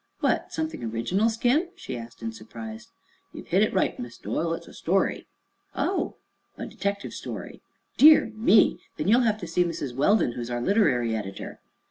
"What, something original, Skim?" she asked in surprise. "Ye've hit it right, Miss Doyle; it's a story." "Oh!" "A detective story." "Dear me! Then you'll have to see Mrs. Weldon, who is our literary editor."